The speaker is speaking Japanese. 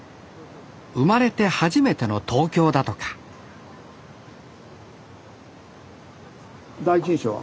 生まれて初めての東京だとか第一印象は？